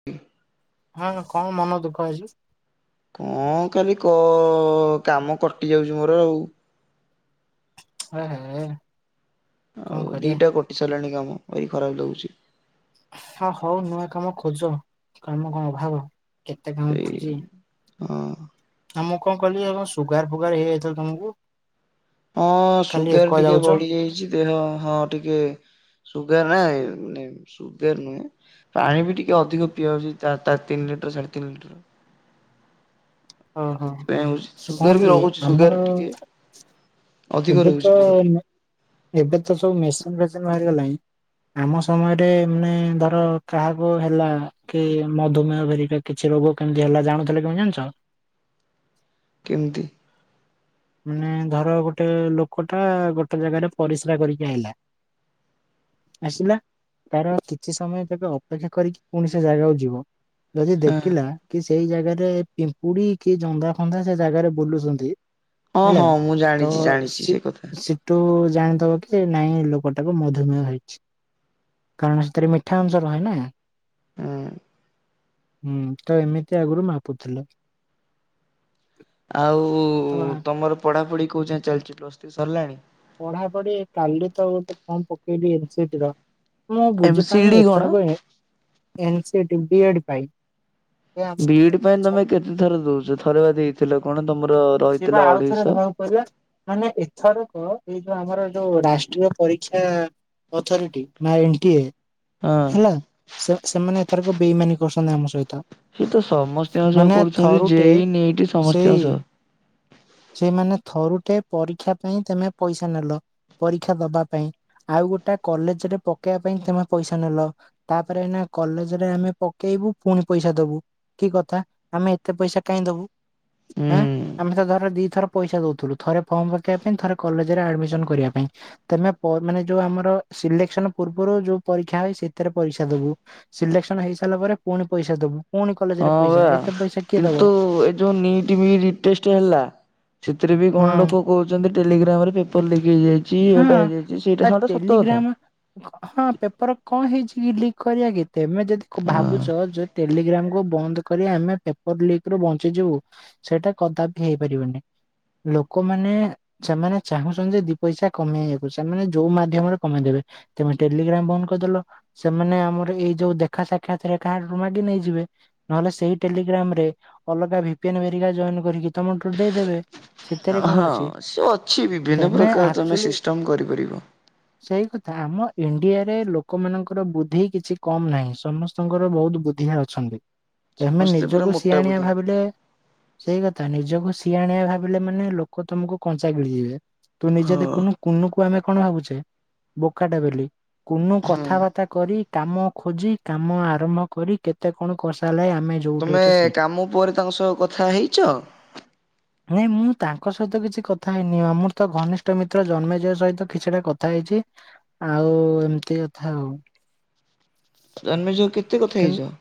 [inaudible] ହଁ ହଁ କଁ ମନ ଦୁଃଖ ହେଇଚି? କଁ କାଲି କ କାମ କଟି ଯାଉଛି ମୋର ଆଉ। ହେ ହେ। କଣ ଆଉ କରିବା ଦିଟା କଟି ସାରିଲାଣି କାମ ଭାରି ଖରାପ ଲାଗୁଛି। ହଁ ହଉ ନୂଆ କାମ ଖୋଜ କାମ କଣ ଅଭାବ କେତେ କାମ ସେଇ ପଡିଛି। ହଁ। ଆଉ ମୁଁ କଣ କଲିି କଣ ସୁଗାର ଫୁଗାର ହେଇଯାଇଥିଲା ତମକୁ। ହଁ ଖାଲି ଏକ ସୁଗାର ଟିକେ ଯାଉଛ ବଢି ଯାଇଛି ଦେହ ହଁ ଟିକେ। ସୁଗାର ନାଇ ନେ। ସୁଗାର ନୁହେଁ ପାଣି ବି ଟିକେ ଅଧିକ ପିଆ ହଉଛି ତା ତିନି ଲିଟର ସାଢେ ତିନି ଲିଟର। ହଁ ହଁ ସେଥିପାଇଁ ହଉଛି ସେ ସୁଗାର କଣ ବି କି ରହୁଛି ସୁଗାର ଆମର ଟିକେ ଅଧିକ ଏବେ ରହୁଛି ତ, ମୋର ଏବେ ତ ସବୁ ମେସିନ୍ ଫେସିନ ବାହାରିଗଲାଣି। ଆମ ସମୟରେ ମାନେ ଧର କାହାକୁ ହେଲା କି ମଧୁମେହ ଘେରିକା କିଛି ରୋଗ କେମିତି ହେଲା ଜାଣୁଥିଲେ କେମତି ଜାଣିଚ? କେମତି? ମାନେ ଧର ଗୋଟେ ଲୋକ ଟା ଗୋଟେ ଜାଗାରେ ପରିସ୍ରା କରିକି ଆଇଲା। ଆସିଲା। ତାର କିଛି ସମୟ ତବେ ଅପେକ୍ଷା କରିକି ପୁଣି ସେ ଜାଗାକୁ ଯିବ। ଯଦି ହଁ ଦେଖିଲା କି ସେଇ ଜାଗାରେ ପିମ୍ପୁଡି କି ଜନ୍ଦା ଫନ୍ଦା ସେ ଜାଗାରେ ବୁଲୁଛନ୍ତି। ହଁ ହେଲା ହଁ ମୁଁ ତ ଜାଣିଛି ଜାଣିଛି ଶି ସେ କଥା। ଶି ଟୁ ଜାଣିଦବ କି ନାଇଁ ଲୋକଟାକୁ ମଧୁମେହ ହେଇଛି। କାରଣ ସେଥିରେ ମିଠା ଅଂଶ ରହେ ନା। ଉଁ। ହୁଁ, ତ ଏମିତି ଆଗରୁ ମାପୁଥିଲେ। ଆଉ ତ ଆ ତମର ପଢାପଢି କୋଉ ଯାଏଁ ଚାଲିଛି, ପ୍ଲସ୍ ଥୀରି ସରିଲାଣି? ପଢା ପଢି କାଲି ତ ଗୋଟେ ଫର୍ମ ପକେଇଲି ଏନ ସି ଟି ର। ମୁଁ ଏମ ସି ବୁଝିପାରୁିନି ଡି କଣ? ଏଥରକ ଏନ୍ ସି ଡି ଏଡ୍ ପାଇଁ। ଏ ବି ଇ ଡି ପାଇଁ ଆମ ତମେ କେତେଥର ଦଉଛ ଥରେ ବା ଦେଇଥିଲ କଣ ତମର ରହିଥିଲା ଅଢେଇଶ। ଆଜ୍ଞା ମାନେ ଏଥରକ ଏଇ ଯୋଉ ଆମର ଯୋଉ ରାଷ୍ଟ୍ରୀୟ ପରୀକ୍ଷା ଅଥରିଟି ନା ଏ ନ୍ଟି ଏ। ଅଁ। ହେଲା, ସେ ସେମାନେ ଏଥରକ ବେଇମାନି କରିଛନ୍ତି ଆମ ସହିତ। ସେ ତ ସମସ୍ତଙ୍କ ସହ ମାନେ କରୁଛନ୍ତି ଥରୁଟେ ଯେଇ ନିଇଟି ସମସ୍ତଙ୍କ ସହ। ସେମାନେ ଥରୁ ଟେ ପରୀକ୍ଷା ପାଇଁ ତମେ ପଇସା ନେଲ। ପରୀକ୍ଷା ଦବା ପାଇଁ ଆଉ ଗୋଟେ କଲେଜ ରେ ପକେଇବା ପାଇଁ ତମେ ପଇସା ନେଲ। ତାପରେ ନା କଲେଜରେ ଆମେ ପକେଇବୁ ପୁଣି ପଇସା ଦବୁ। କି କଥା ଆମେ ଏତେ ପଇସା କାଇଁ ଦବୁ ହୁଁ ଆଁ? ଆମେ ତ ଧର ଦିଥର ପଇସା ଦଉଥିଲୁ ଥରେ ଫର୍ମ ପକେଇବା ପାଇଁ ଥରେ କଲେଜ ରେ ଆଡମିସନ କରିବା ପାଇଁ। ତମେ ପ ମାନେ ଯୋଉ ଆମର ସିଲେକ୍ସନ ପୂର୍ବରୁ ଯୋଉ ପରୀକ୍ଷା ହଏ ସେଥିରେ ପଇସା ଦବୁ। ସିଲେକ୍ସନ ହେଇସାରିଲା ପରେ ପୁଣି ପଇସା ଦବୁ ପୁଣି କଲେଜରେ ହଁ ପଇସା ବା। ଏତେ ପଇସା କିଏ କିନ୍ତୁ ଦବ? ଏ ଯୋଉ ନିଟ ବିଡ଼ି ଟେଷ୍ଟ ହେଲା ସେଥିରେ ବି କଣ ହୁଁ। ଲୋକ କହୁଚନ୍ତି ଟେଲିଗ୍ରାମ ରେ ପେପର ଲିକ୍ ହେଇଯାଇଚି ଏଇଟା ହଁ ହେଯାଇଚି। ଆ ସେଇଟା ସାଟା ସତ କଥା। ଟେଲିଗ୍ରାମ ହଁ ପେପର କଣ ହେଇଚି କି ଲିକ କରିବା କି ତେମେ ଯଦି ଭାବୁଚ ଟେଲିଗ୍ରାମ କୁ ବନ୍ଦ କରି ଆମେ ପେପର ଲିକ ରୁ ବଞ୍ଚିଯିବୁ। ସେଇଟା କଦାପି ହେଇପାରିବନି ଲୋକମାନେ ସେମାନେ ଚାହୁଁଚନ୍ତି ଯେ ଦି ପଇସା କମେଇବାକୁ ସେମାନେ ଯୋଉ ମାଧ୍ୟମରେମେଇଦବେ। ତମେ ଟେଲିଗ୍ରାମ ବନ୍ଦ କରିଦେଲ ସେମାନେ ଆମର ଏଇ ଯୋଉ ଦେଖା ସାକ୍ଷାତରେ କାହାଠାରୁ ମାଗି ନେଇଯିବେ। ନହେଲେ ସେଇ ଟେଲିଗ୍ରାମ ରେ ଅଲଗା [unintelligible] ଜଏନ କରିକି ତମଟରୁ ଦେଇଦେବେ ଶୀତରେ କଣ ଅଛି। ତମେ ଆ ତୁମେ ସିଷ୍ଟମ୍ କରିପାରିବ। ସେଇ କଥା ଆମ ଇଣ୍ଡିଆରେ ଲୋକମାନଙ୍କର ବୁଦ୍ଧି କିଛି କମ ନାହିଁ। ସମସ୍ତ ଙ୍କର ବହୁତ ବୁଦ୍ଧି ଅଛନ୍ତି। ତେମେ ସମସ୍ତେ ପୁରା ନିଜକୁ ମୋଟା ସିଆଣଆ ବୁଦ୍ଧିଆ ଭାବିଲେ ସେଇ କଥା ନିଜକୁ ସିଆଣିଆ ଭାବିଲେ ମାନେ ଲୋକ ତମକୁ କଞ୍ଚା ଗିଳିଯିବେ। ତୁ ନିଜେ ହଁ ଦେଖୁନୁ କୁନୁକୁୁ ଆମେ କଣ ଭାବୁଚେ ବୋକାଟା ବୋଲି। କୁନୁ ହୁଁ। କଥାବାର୍ତ୍ତା କରି କାମ ଖୋଜି କାମ ଆରମ୍ଭ କରି କେତେ କଣ କରିସାରିଲା ଆମେ ଯୋଉଠି ତୁମେ ଅଛେ ସେଇଠି। କାମ ପରେ ତାଙ୍କ ସହ କଥା ହେଇଚ? ନାଇଁ ମୁଁ ତାଙ୍କ ସହିତ କିଛି କଥା ହେଇନି ମର ତ ଘନିଷ୍ଠ ମିତ ତ୍ର ଜନ୍ମଯୟ ସହିତ କିଛିଟା କଥା ହେଇଚି ଆଉ ଏମିତି କଥା ଆଉ। ଜନ୍ମୟ ଚ କେତେ କଥା କିନ୍ତୁ ହେଇଚ?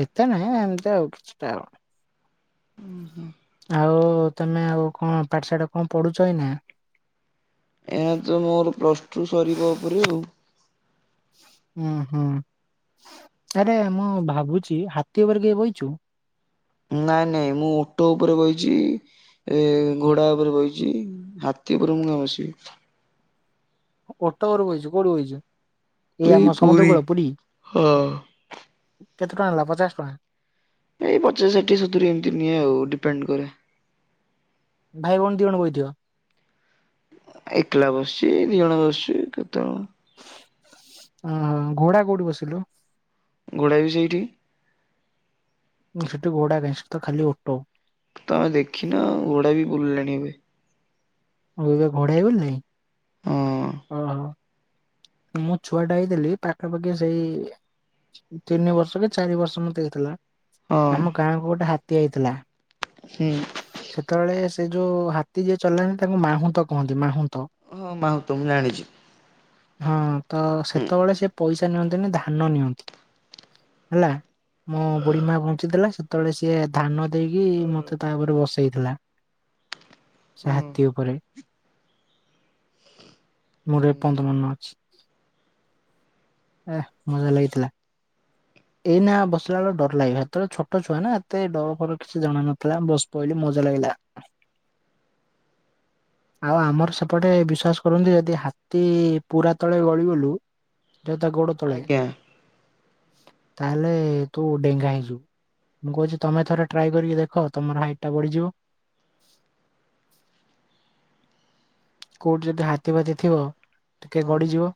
ଏତେ ନହିଁ ଏମିତି ଆଉ କିଛିଟା ଆଉ। ଓ ହୁଁ। ଆଉ ତମେ ଆଉ କଣ ପାଠଶାଠ କଣ ପଢୁଚ ଏଇନା? ଏନେ ତ ମୋର ପ୍ଲସ୍ ଟୁ ସରିବା ଉପରେ ଆଉ। ଉଁ ହୁଁ। ଆରେ ମୁଁ ଭାବୁଛି ହାତୀ ଉପରେ କିଏ ବଇଚୁ? ନାଇଁ ନାଇଁ ମୁଁ ଓଟୋ ଉପରେ ବଇଚି। ଏ ଘୋଡା ଉପରେ ବଇଚି। ହାତୀ ଉପରେ ମୁଁ କାଇଁ ବସିବି ଓଟ ଉପରେ ବଇଚୁ କୋଉଠି ବଇଚୁ ଏଇ ଆମ ସମୁଦ୍ର କୂଳ ପୁରୀ? ହଁ କେତେ ଟଙ୍କା ନଲା ପଚାଶ ଟଙ୍କା? ଏଇ ପଚାଶ ଷାଠିଏ ସତୁରି ଏମିତି ନିଏ ଆଉ ଡିପେଣ୍ଡ କରେ ଭାଇ ବଉଣୀ ଦି ଜଣ ବଇଥିବ? ଏକଲା ବସିଚି ଦି ଜଣ ବସିଚି କେତେ ଜଣ ଅ ଘୋଡା କୋଉଠି ବସିଲୁ? ଘୋଡ଼ା ବି ସେଇଠି। ଉଁ ସେଠି ଘୋଡା କାଇଁ ସେଟି ତ ଖାଲି ଓଟ। ତମେ ଦେଖିନ ଆ ଘୋଡ଼ା ବି ବୁଲିଲେଣି ଏବେ। [unintelligible] ହଁ ଓଁ ହୋ। ମୁଁ ଛୁଆ ଟା ହେଇଥିଲି ପାଖାପାଖି ସେଇ ତିନି ବର୍ଷ କି ଚାରି ବର୍ଷ ମତେ ହେଇଥିଲା ହଁ ଆମ ଗାଁ କୁ ଗୋଟେ ହାତୀ ଆଇଥିଲା। ହୁଁ। ସେତେବେଳେ ସେ ଯୋଉ ହାତୀ ଯିଏ ଚଲାନ୍ତି ତାଙ୍କୁ ମାହୁନ୍ତ କୁହନ୍ତି ମାହୁନ୍ତ। ହଁ ମାହୁ ତ ମୁଁ ଜାଣିଛି। ହଁ ତ ହୁଁ ସେତେବେଳେ ସେ ପଇସା ନିଅନ୍ତି ନି ଧାନ ନିଅନ୍ତି। ହେଲା ମୋ ବୁଢୀ ମା ପଞ୍ଚିଥିଲା ସେତେବେଳେ ସିଏ ଧାନ ଦେଇକି ମ ତ ତା ଉପରେ ବସେଇଥିଲା ସେ ହଁ ହାତୀ ଉପରେ। ମୋର ଏପନ୍ତ ହୁଁ। ମନ ଅଛି। ଏ ମଜା ଲାଗିଥିଲା। ଏଇନା ବସିଲା ଅଳୁ ଡର ଲାଗିବ ହେତେବେଳେ ଛୋଟ ଛୁଆ ନା ଏତେ ଡର ଫର କିଛି ଜଣା ନଥିଲା ବ ପଇଲି ମଜା ଲାଗିଲା। ଆଉ ଆମର ସେପଟେ ବିଶ୍ଵାସ କରନ୍ତି ଯଦି ହାତୀ ପୁରା ତଳେ ଗଳିଗଲୁ ଯେ ତା ଗୋଡ଼ ତଳେ। ଆଜ୍ଞା ତାହେଲେ ତୁ ଡେଙ୍ଗା ହେଇଯିବୁ। ମୁଁ କହୁଛି ତମେ ଥରେ ଟ୍ରାଏ କରିକି ଦେଖ ତମର ହାଇଟ ଟା ବଢିଯିବ। କୋଉଠି ଯଦି ହାତୀ ଭାତି ଥିବ ଟିକେ ହଁ ଗଡିଯିବ।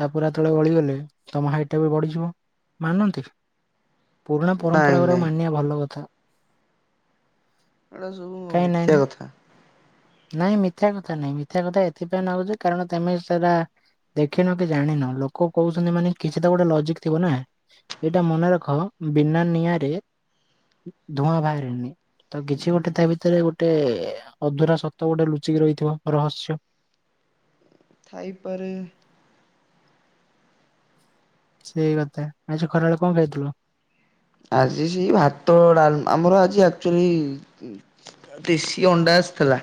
ତା ପୁରା ତଳେ ଗଳିଗଲେ ତମ ହାଇଟା ବି ବଢିଯିବ। ମାନନ୍ତି ପୁରୁଣା ନାଇଁ ପରମ୍ପରାଗୁରାକୁ ନାଇଁ ମାନିବା ଭଲ କଥା। ଏଇଡା ସବୁ କାହିଁ ନାଇଁ ମିଥ୍ୟା କଥା। ନାଇଁ ମିଥ୍ୟା କଥା ନାଇଁ ମିଥ୍ୟା କଥା ଏଥିପାଇଁ ନାଗୁଛି କାରଣ ତେମେ ସେରା ଦେଖିନ କି ଜାଣିନ ଲୋକ କହୁଛନ୍ତି ମାନେ କିଛି ତ ଗୋଟେ ଲଜିକ୍ ଥିବ ନା? ଏଇଟା ମନେ ରଖ ବିନା ନିଆଁରେ ଧୂଆଁ ଭାରେନି। ତ କିଛି ହୁଁ ଗୋଟେ ତା ଭିତରେ ଗୋଟେ ଅଧୁରା ସତ ଗୋଟେ ଲୁଚିକି ରହିଥିବ ରହସ୍ୟ। ଥାଇପାରେ? ସେଇ କଥା ଆଜି ଖରାବେଳେ କଣ ଖାଇଥିଲୁ? ଆଜି ସେଇ ଭାତ ଡାଲ ଆମର ଆଜି ଆକ୍ଚୁଆଲି ଉଁ ଦେଶି ଅଣ୍ଡା ଆସିଥିଲା।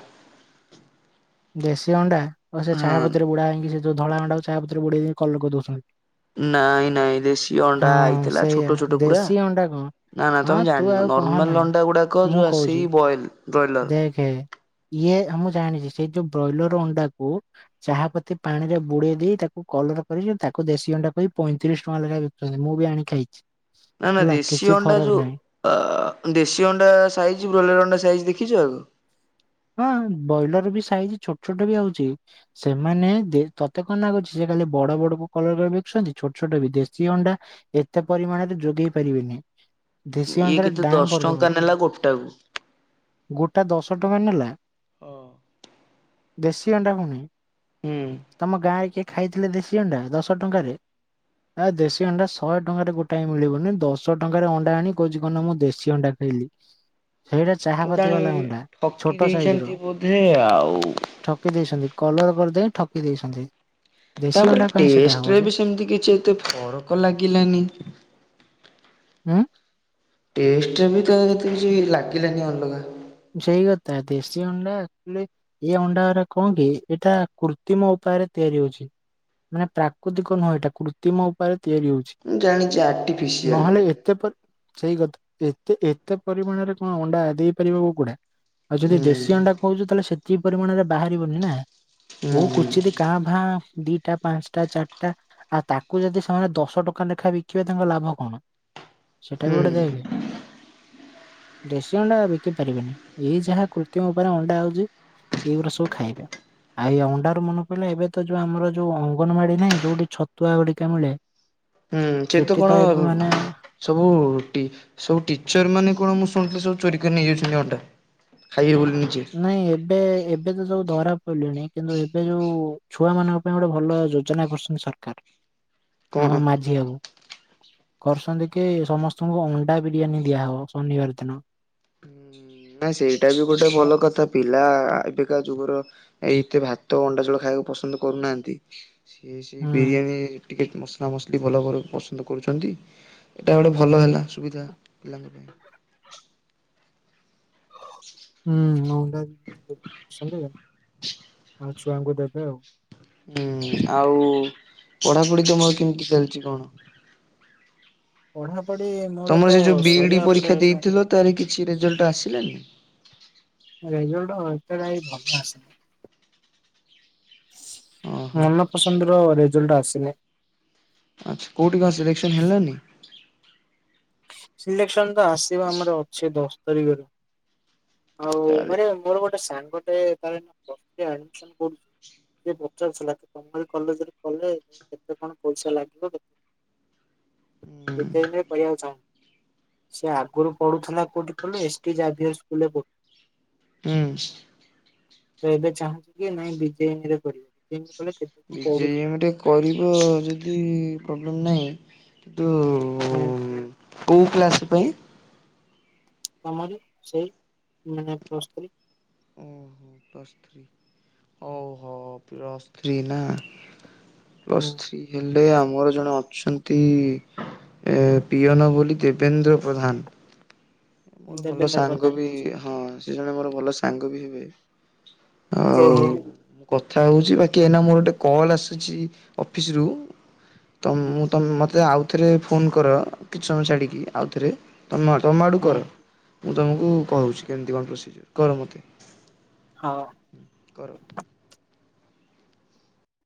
ଦେଶୀ ଅଣ୍ଡା ଓହୋ ସେ ଚାହା ହଁ ପତିରେ ବୁଡା ହେଇକି ସେ ଯୋଉ ଧଳା ଅଣ୍ଡାକୁ ଚାହାପତିରେ ବୁଡେଇ କି କଲର କରି ଦଉଛନ୍ତି। ନାଇଁ ନାଇଁ ଦେଶୀ ଅଣ୍ଡା ଆଇଥିଲା ସେଇଆ ଛୋଟ ଛୋଟ ପୁରା। ଦେଶୀ ଅଣ୍ଡା କଣ ନା ନା ହଁ ତମେ ତୁ ଆଉ ଜାଣିନ କହନା ନର୍ମାଲ ଅଣ୍ଡା ଗୁଡାକ ମୁଁ ଯୋଉ କହୁଛି ଆସିକି ବଏଲ୍ ଦେଖେ ଇଏ ହଁ ମୁଁ ଜାଣିଛି ସେଇ ଯୋଉ ବ୍ରଏଲର ଅଣ୍ଡାକୁ ଚାହା ପତି ପାଣିରେ ବୁଡେଇ ଦେଇ ତାକୁ କଲର କରି ତାକୁ ଦେଶୀ ଅଣ୍ଡା କରି ପଇଁତିରିଶ ଟଙ୍କା ଲେଖା ବି ଛନ୍ତି ମୁଁ ବି ଆଣି ଖାଇଛି। ନା ନା ହେଲା ଦେଶୀ କିଛି ଅଣ୍ଡା ଫରକ ଯୋଉ ନାହିଁ ଆ ଦେଶୀ ଅଣ୍ଡା ସାଇଜି ବ୍ରଏଲର ଅଣ୍ଡା ସାଇଜି ଦେଖିଛ ଆଗ। ହଁ ବ୍ରଏଲର ବି ସାଇଜି ଛୋଟ ଛୋଟ ବି ଆଉଛି। ସେମାନେ ଦେ ତତେ କଣ ଲାଗୁଛି ସେ ଖାଲି ବଡ ବଡ କୁ କଲର କରି ବକୁୁଛନ୍ତି ଛୋଟ ଛୋଟ ବି ଦେଶୀ ଅଣ୍ଡା ଏତେ ପରିମାଣରେ ଯୋଗେଇ ପାରିବେନି ଦେଶୀ ଇଏ ଅଂସର କେତେ ଦଶ ଦାମ ଟଙ୍କା ପର୍ବଳ। ନେଲା ଗୋଟାକୁ ଗୋଟା ଦଶ ଟଙ୍କା ନେଲା। ହଁ। ଦେଶୀ ଅଣ୍ଡା କୁ ନାଇଁ। ହୁଁ ତମ ଗାଁ ରେ କିଏ ଖାଇଥିଲେ ଦେଶୀ ଅଣ୍ଡା ଦଶ ଟଙ୍କାରେ। ନା ଦେଶୀ ଅଣ୍ଡା ଶହେ ଟଙ୍କାରେ ଗୋଟାଏ ମିଳିବନି ଦଶ ଟଙ୍କାରେ ଅଣ୍ଡା ଆଣି କହୁଛି କଣ ନା ମୁଁ ଦେଶୀ ଅଣ୍ଡା ଖାଇଲି। ସେଇଟା ଚାହାପତି କେଜାଣି ବାଲା ଅଣ୍ଡା। ଠକି ଛୋଟ ସାଇଜ ର। ଦେଇଛନ୍ତି ବୋଧେ ଆଉ। ଠକି ଦେଇଛନ୍ତି କଲର କରିଦେଇ ଠକି ଦେଇଛନ୍ତି। ଦେଶୀ ତାପରେ ଅଣ୍ଡା କାହିଁ ସେଟା ହବ ଟଷ୍ଟରେ ଯେ ବି ସେମତି କିଛି ଏତେ ଫରକ ଲାଗିଲାନି। ହୁଁ। ଟେଷ୍ଟରେ ବି ତ ଏତେ କିଛି ଲାଗିଲାନି ଅଲଗା। ସେଇ କଥା ଦେଶୀ ଅଣ୍ଡା ଆକଚୋଲି ଏଇ ଅଣ୍ଡାରା କଣ କି ଏଇଟା କୃତିମ ଉପାୟରେ ତିଆରି ହୋଉଚି। ନା ପ୍ରାକୃତିକ ନୁହଁ ଏଟା କୃତ୍ରିମ ଉପାୟରେ ତିଆରି ହୋଉଚି। ମୁଁ ଜାଣିଚି ଆର୍ଟିଫିସିଆଲ୍। ତ ଏପ ସେଇ କଥା ଏତେ ଏତେ ପରିମାଣରେ କଣ ଅଣ୍ଡା ଦେଇପାରିବେ କୁ କୁଡା ଆଉ ଯଦି ହୁଁ ଦେଶୀ ଅଣ୍ଡା କୋହୁଚ ତାହଲେ ସେତିକି ପରିମାଣରେ ବାହାରିବନି ନା ହୁଁ କୋଉ ହୁଁ କୋଚିତି କାଁ ଭାଁ ଦିଟା ପାଞ୍ଚଟା ଚାରଟା ଆଉ ତାକୁ ଯଦି ସେମାନେ ଦଶ ଟଙ୍କା ଲେଖା ବିକିବେ ତାଙ୍କ ଲାଭ କଣ? ସେଟା ବି ହୁଁ ଗୋଟେ ଦେଖେ ଦେଶୀ ଅଣ୍ଡା ବିକି ପାରିବେନି ଏଇ ଯାହା କୃତ୍ରିମ ଉପାୟରେ ଅଣ୍ଡା ଆଉଚି ଏଇଗୁରା ସବୁ ଖାଇବେ ଆ ଆ ଇଏ ଅଣ୍ଡାରୁ ମନେ ପଇଲା ଏବେ ତ ଯୋଉ ଆମର ଯୋଉ ଅଙ୍ଗନବାଡି ନାଇଁ ଯୋଉଠି ଛତୁଆ ଗୁଡିକା ମିଳେ ହୁଁ ସେଠି ତ କଣ ସବୁ ଟି ସବୁ ଟିଚର ମାନେ କଣ ମୁଁ ଶୁଣଥିଲି ସବୁ ଚୋରି କରି ନେଇଯାଉଚନ୍ତି ଅଣ୍ଡା। ଖାଇବେ ବୋଲି ନିଜେ। ନାଇଁ ଏବେ ଏବେ ତ ସବୁ ଧରା ପଇଲେଣି କିନ୍ତୁ ଏବେ ଯୋଉ ଛୁଆମାନଙ୍କ ପାଇଁ ଗୋଟେ ଭଲ ଯୋଜନା କରୁଚନ୍ତି ସରକାର କଣ ଆମ ମାଝି ବାବୁ। କରୁଛନ୍ତି କି ସମସ୍ତଙ୍କୁ ଅଣ୍ଡା ବିରିୟାନୀ ଦିଆହବ ଶନିବାର ଦିନ। ହୁଁ ନାଇଁ ସେଇଟା ବି ଗୋଟେ ଭଲ କଥା ପିଲା ଏବେକା ଯୁଗର ଏ ଏତେ ଭାତ ଅଣ୍ଡାଝୋଳ ଖାଇବାକୁ ପସନ୍ଦ କରୁନାହାଁନ୍ତି ସିଏ ସେଇ ହୁଁ ବିରିୟାନୀ ଟିକେ ମସଲା ମସଲି ଭଲ ବରଂ ପସନ୍ଦ କରୁଛନ୍ତି। ଏଟା ଗୋଟେ ଭଲ ହେଲା ସୁବିଧା ପିଲାଙ୍କ ପାଇଁ। ହୁଁ ଅଣ୍ଡା [unintelligible] ଛୁଆଙ୍କୁ ଦେବେ ଆଉ। ହୁଁ ଆଉ ପଢାପଢି ତମର କେମତି ଚାଲିଚି କଣ? ପଢାପଢି ମୋର ତମର ତ ସେ ଯୋଉ ସରିବା ବିଇଡି ଉପରେ ପରୀକ୍ଷା ହେଲାଣି। ଦେଇଥିଲ ତାର କିଛି ରେଜଲ୍ଟ ଆସିଲାନି। ରେଜଲ୍ଟ ଏତେ ଭାଇ ଭଲ ଆସିନି। ଓହୋ ମନ ପସନ୍ଦର ରେଜଲ୍ଟ ଆସିନି। ଆଚ୍ଛା କୋଉଠି କଣ ସିଲେକ୍ସନ୍ ହେଲାନି? ସିଲେକ୍ସନ ତ ଆସିବ ଆମର ଅଛି ଦଶ ତାରିଖରେ। ଆଉ ତାହେଲେ ମାନୋ ମୋର ଗୋଟେ ସାଙ୍ଗଟେ [unintelligible] ପ୍ଲସ ଥ୍ରୀ ଆଡମିସନ କରୁଚି ଯେ ପଚାରୁଥୁଲା ତମରି କଲେଜରେ କଲେ କେତେ କଣ ପଇସା ଲାଗିବକି ହୁଁ [unintelligible] ଚାହୁଁ। ସେ ଆଗରୁ ପଢୁଥୁଲା କୋଉଠି କହିଲୁ ଏସ୍ ଟି ଜାଭିୟର ସ୍କୁଲରେ ପ ହୁଁ। ତ ଏବେ ଚାହୁଁଚି କି ନାଇଁ ବିଜୟିନୀରେ କରିବ ବିନରେ କଲେ କେତେ କଣ ପଡୁଛି ବିଜୟିନୀରେ କରିବ ଯଦି ପ୍ରୋବ୍ଲେମ୍ ନାହିଁ କିନ୍ତୁ ହୁଁ। ହୁଁ କୋଉ କ୍ଲାସ ପାଇଁ? ତମରି ସେଇ ମାନେ ପ୍ଲସ୍ ଥ୍ରି ଉଁହୁଁ ପ୍ଲସଥ୍ରୀ ଓହୋ ପ୍ଲସଥ୍ରୀ ନା? ପ୍ଲସ୍ ଥ୍ରୀ ହେଲେ ଆମର ଜଣେ ଅଛନ୍ତି ଏ ପିଅନ ବୋଲି ଦେବେନ୍ଦ୍ର ପ୍ରଧାନ। ମୋର ଭଲ ଦେବେନ୍ଦ୍ର ସାଙ୍ଗ ବି ପ୍ରଧାନ। ହଁ ସେ ଜଣେ ମୋର ଭଲ ସାଙ୍ଗ ବି ହେବେ। ଆଉ ଓହୋ। ମୁଁ କଥା ହଉଚି ବାକି ଏଇନା ମୋର ଗୋଟେ କଲ୍ ଆସୁଚି ଅଫିସ୍ ରୁ। ତ ହୁଁ ମୁଁ ମତେ ଆଉଥରେ ଫୋନ କର କିଛି ସମୟ ଛାଡ଼ିକି ଆଉଥରେ। ତମ ତମ ଆଡୁ ହୁଁ କର ମୁଁ ତୁମକୁ କହୁଛି କେମିତି କଣ ପ୍ରୋସିଜର୍ କର ମୋତେ। ହଁ। କର।